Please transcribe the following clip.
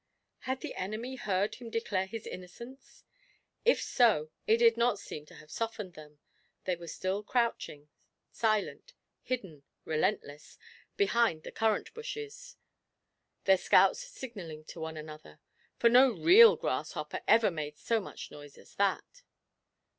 Had the enemy heard him declare his innocence? If so, it did not seem to have softened them. They were still crouching silent, hidden, relentless behind the currant bushes, their scouts signalling to one another, for no real grasshopper ever made so much noise as that.